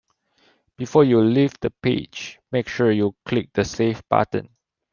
Before you leave the page, make sure you click the save button